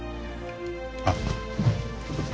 あっ。